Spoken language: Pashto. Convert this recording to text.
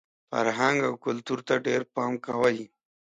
فرهنګ او کلتور ته ډېر پام کوئ!